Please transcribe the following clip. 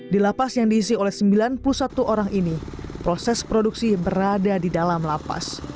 di lapas yang diisi oleh sembilan puluh satu orang ini proses produksi berada di dalam lapas